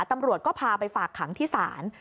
ตำรวจก็พาไปฝากขังที่ศาล